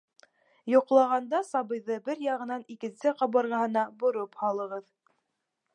Йоҡлағанда сабыйҙы бер яғынан икенсе ҡабырғаһына бороп һалығыҙ.